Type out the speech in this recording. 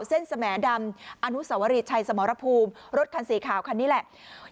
เส้นแสงแดมอนุสวริชัยสมรภูมิรถขันศีรภาพคันนี้แหละ